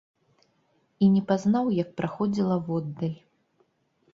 І не пазнаў, як праходзіла воддаль.